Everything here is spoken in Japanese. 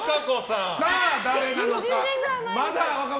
さあ、誰なのか。